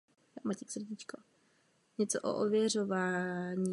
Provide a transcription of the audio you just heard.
Anti-amerikanismus v Evropské unii tak rozšířený opět ohrožuje bezpečnost občanů.